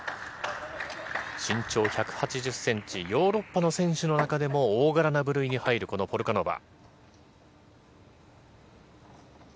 身長１８０ｃｍヨーロッパの選手の中でも大柄な部類に入るポルカノバ。